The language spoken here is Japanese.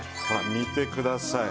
見てください！